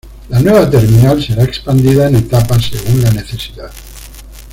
La nueva terminal será expandida en etapas, según la necesidad.